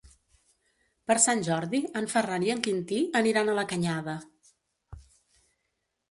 Per Sant Jordi en Ferran i en Quintí aniran a la Canyada.